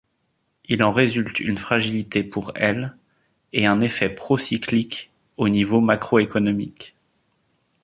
Il en résulte une fragilité pour elles et un effet procyclique au niveau macroéconomique.